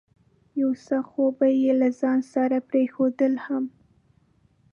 یو څه خو به یې له ځانه سره پرېښودل هم.